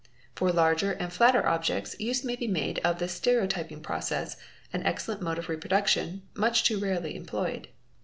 For larger and flatter objects use may be made of the stereotyping process, an excellent mode of reproduction, much too rarely employed.